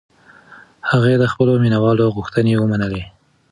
هغې د خپلو مینهوالو غوښتنې ومنلې.